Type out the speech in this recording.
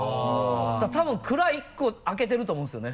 だから多分蔵１個開けてると思うんですよね。